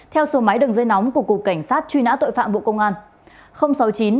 theo số máy đường dây nóng của cục cảnh sát truy nã tội phạm bộ công an